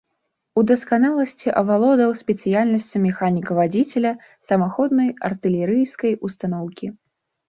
У дасканаласці авалодаў спецыяльнасцю механіка-вадзіцеля самаходнай артылерыйскай устаноўкі.